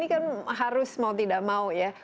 ini kan harus mau tidak mau ya